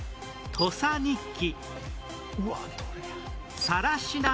『土佐日記』。